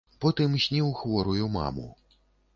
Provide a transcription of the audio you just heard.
Потым сніў хворую маму.